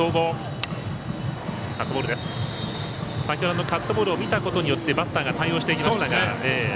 先ほどのカットボールを見たことによってバッターが対応していきましたが。